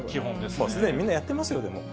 もうすでにみんなやってますよ、でも。